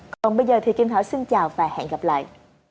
còn bây giờ thì kim thảo xin chào và hẹn gặp lại